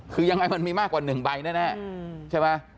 คือยังไงมันมีมากกว่า๑ใบแน่ใช่ไหม